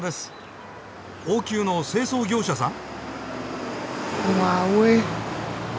王宮の清掃業者さん？